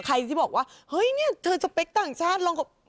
ใครที่บอกว่าเฮ้ยเนี่ยเธอสเปคต่างชาติลง